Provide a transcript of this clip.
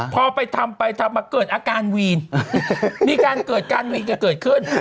พอไปทำไปทำมาเกิดอาการวีนมีการเกิดการวีนกันเกิดขึ้น